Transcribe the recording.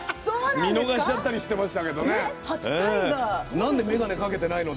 見逃しちゃったりしていました。